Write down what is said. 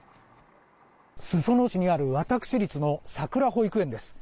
裾野市にある私立のさくら保育園です。